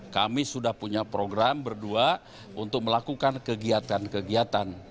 kami sudah punya program berdua untuk melakukan kegiatan kegiatan